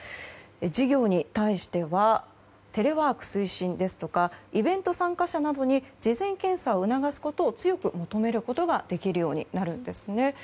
事業者に対してはテレワーク推進ですとかイベント参加者などに事前検査を促すことを強く求めることができるようになるんです。